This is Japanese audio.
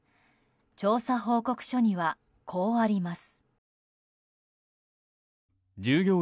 調査報告書にはこうあります。